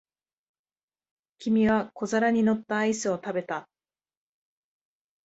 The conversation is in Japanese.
君は小皿に乗ったアイスを食べた。